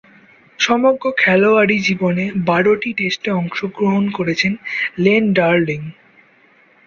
সমগ্র খেলোয়াড়ী জীবনে বারোটি টেস্টে অংশগ্রহণ করেছেন লেন ডার্লিং।